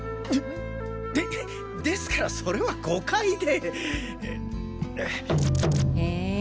でですからそれは誤解で。